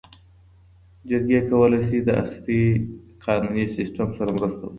جرګې کولی سي د عصري قانوني سیسټم سره مرسته وکړي.